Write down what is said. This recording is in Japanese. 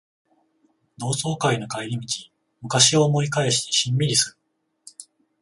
同窓会の帰り道、昔を思い返してしんみりする